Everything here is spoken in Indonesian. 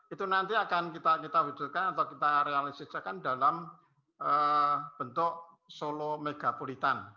itu nanti akan kita wujudkan atau kita realistisikan dalam bentuk solo mega pulitan